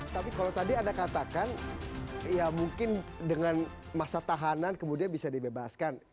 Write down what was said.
tapi kalau tadi anda katakan ya mungkin dengan masa tahanan kemudian bisa dibebaskan